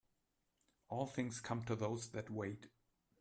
All things come to those that wait.